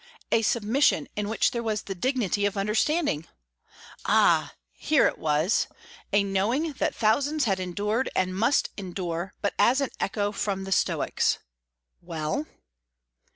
a submission in which there was the dignity of understanding. Ah here it was! a knowing that thousands had endured and must endure, but as an echo from the Stoics "Well?"